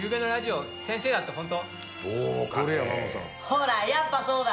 ほらやっぱそうだ！